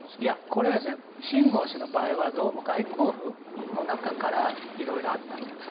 これは秦剛氏の場合はどうも外交部の中から色々あったんじゃないかと。